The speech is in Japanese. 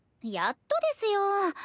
やっとですよ。